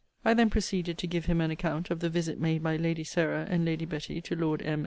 I then proceeded to give him an account 'of the visit made by Lady Sarah and Lady Betty to Lord M.